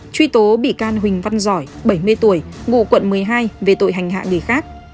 truy tố bị can huỳnh văn giỏi bảy mươi tuổi ngụ quận một mươi hai về tội hành hạ người khác